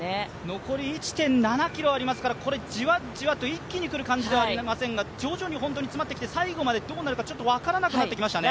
残り１．７ｋｍありますから、じわじわと一気に来る感じではありませんが徐々に本当に詰まってきて最後までどうなるか分からなくなってきましたね。